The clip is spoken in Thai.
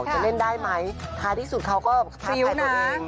จะเล่นได้ไหมท้าที่สุดเขาก็ท้าแผ่นตัวเอง